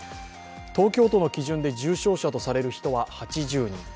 東京都の基準で重症者とされる人は８０人。